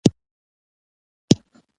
د الوتکې ټکټ اخیستل اسانه دی.